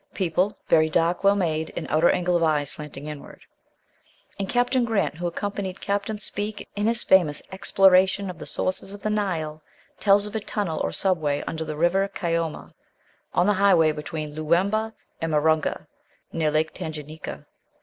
People very dark, well made, and outer angle of eyes slanting inward." And Captain Grant, who accompanied Captain Speke in his famous exploration of the sources of the Nile, tells of a tunnel or subway under the river Kaoma, on the highway between Loowemba and Marunga, near Lake Tanganyika.